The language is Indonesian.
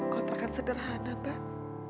kontrakan sederhana mbak